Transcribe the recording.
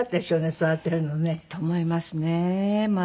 育てるのね。と思いますね。